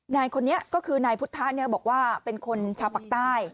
นายคนนี้ก็คือนายพุทธะบอกว่าเป็นคนชาวปากใต้